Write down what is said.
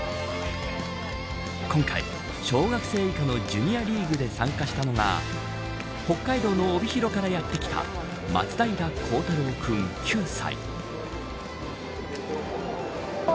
今回、小学生以下のジュニア・リーグで参加したのが北海道の帯広からやって来たマツダイラコウタロウ君、９歳。